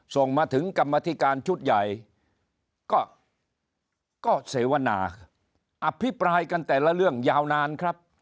ส่งมาถึงกรรมธิการชุดใหญ่ก็เสวนาอภิปรายกันแต่ละเรื่องยาวนานครับ